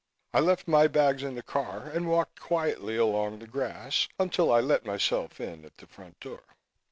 I left my bags in the car and walked quietly along the grass until I let myself in at front door.